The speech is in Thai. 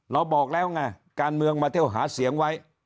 บอกแล้วไงการเมืองมาเที่ยวหาเสียงไว้